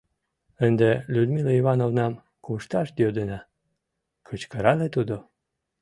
— Ынде Людмила Ивановнам кушташ йодына! — кычкырале тудо.